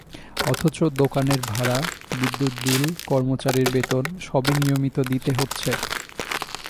অথচ দোকানের ভাড়া, বিদ্যুৎ বিল, কর্মচারীর বেতন সবই নিয়মিত দিতে হচ্ছে।